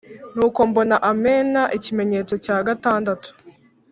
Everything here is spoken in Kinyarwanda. Nuko mbona amena ikimenyetso cya gatandatu,